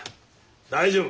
大丈夫。